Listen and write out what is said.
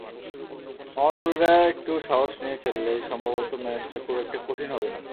মামুনুলরা একটু সাহস নিয়ে খেললেই সম্ভবত ম্যাচটা খুব একটা কঠিন হবে না।